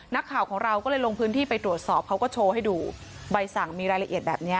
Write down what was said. นักข่าวของเราก็เลยลงพื้นที่ไปตรวจสอบเขาก็โชว์ให้ดูใบสั่งมีรายละเอียดแบบนี้